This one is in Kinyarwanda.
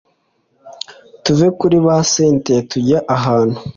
tuve kuri ba cyntia tujye ahantu